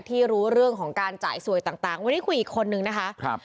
ที่รู้เรื่องของการจ่ายสวยต่างวันนี้คุยอีกคนนึงนะคะครับ